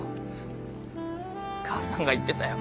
母さんが言ってたよ。